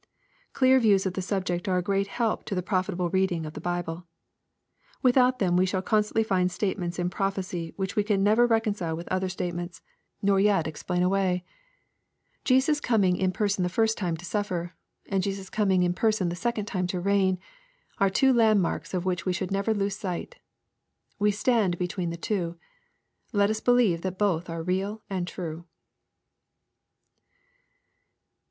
Clear views of the subject are a great help to the profitable reading of the Bible. Without them IV e shall c^nstantlyfind statements in prophecy which we can neither reconcile with other statements, nor yet LUKE, CHAP. xvn. 241 explain away. Jesiis coming in person the first time to suflFer, and Jesus coming in person the second time to reign, are two landmarks of which we should never lose sight. We stand between the two. Let us believe that both are real and true.